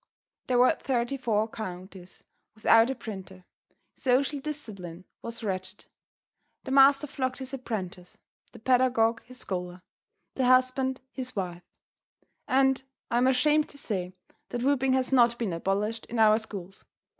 There were thirty four counties without a printer. Social discipline was wretched. The master flogged his apprentice, the pedagogue his scholar, the husband his wife; and I am ashamed to say that whipping has not been abolished in our schools.